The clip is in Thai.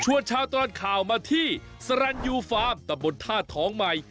ชั่วชาวตอนข่าวมาที่สรันยูฟาร์มตำบลธาตุฐองใหม่